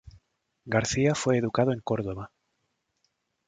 García fue educado en Córdoba.